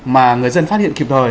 mà người dân phát hiện kịp đời